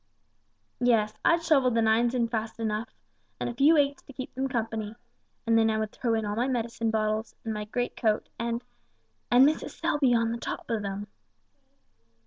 "Yes I'd shovel the nines in fast enough, and a few eights to keep them company, and then I would throw in all my medicine bottles, and my great coat, and and Mrs. Selby on the top of them!"